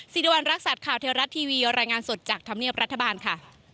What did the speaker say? สิริวัณรักษัตริย์ข่าวเทวรัฐทีวีรายงานสดจากธรรมเนียบรัฐบาลค่ะ